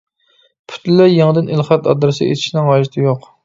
پۈتۈنلەي يېڭىدىن ئېلخەت ئادرېسى ئېچىشنىڭ ھاجىتى يوق.